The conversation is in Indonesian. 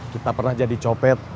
kita pernah jadi copet